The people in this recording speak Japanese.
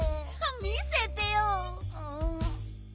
見せてよ。